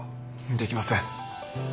できません。